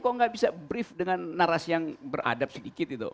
kok nggak bisa brief dengan narasi yang beradab sedikit itu